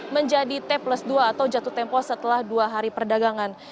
menjadi t plus dua atau jatuh tempo setelah dua hari perdagangan